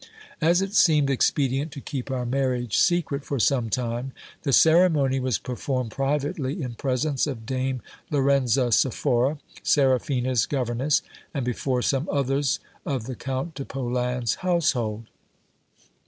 As it seemed expedient to keep our marriage secret for some time, the ceremony was performed privately, in presence of Dame Lorenza Sephora, Seraphina's go verness, and before some others of the Count de Polan's household.